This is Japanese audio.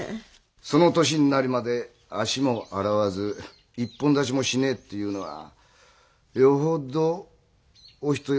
その年になるまで足も洗わず一本立ちもしねえっていうのはよほどお人よしかのんびりか。